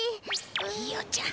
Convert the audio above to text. ひよちゃん